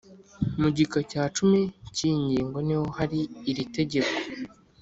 Mugika cya cumi cyiyingingo niho hari iri tegeko